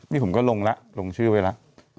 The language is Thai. นี่ผมก็ลงแล้วลงชื่อไว้แล้ว